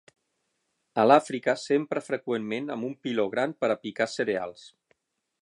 A l'Àfrica s'empra freqüentment amb un piló gran per a picar cereals.